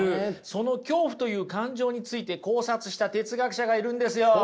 その恐怖という感情について考察した哲学者がいるんですよ。